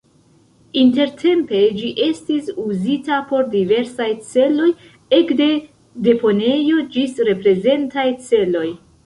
Intertempe ĝi estis uzita por diversaj celoj, ekde deponejo ĝis reprezentaj celoj.